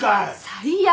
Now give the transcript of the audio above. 最悪！